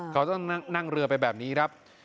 เขาต้องนั่งเรือไปแบบนี้ครับ